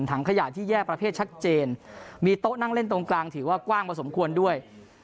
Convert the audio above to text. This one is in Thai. ถังขยะที่แยกประเภทชัดเจนมีโต๊ะนั่งเล่นตรงกลางถือว่ากว้างพอสมควรด้วย